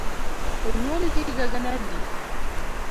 Onyuoli higa gana adi?